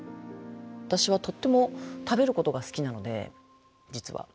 私はとっても食べることが好きなので実は。